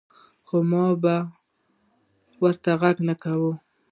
خو ما به ورته غږ نۀ کوۀ ـ